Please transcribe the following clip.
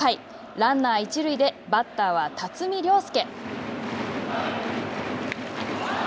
ランナー一塁でバッターは辰己涼介。